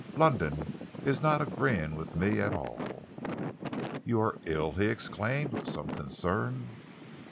"London is not agreeing with me at all." "You are ill?" he exclaimed, with some concern.